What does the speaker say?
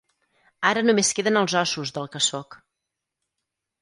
Ara només queden els ossos del que sóc.